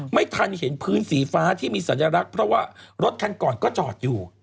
ไม่ทันเห็นพื้นสีฟ้าที่มีสัญลักษณ์เพราะว่ารถคันก่อนก็จอดอยู่